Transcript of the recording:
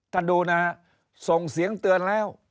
ดูนะฮะส่งเสียงเตือนแล้ว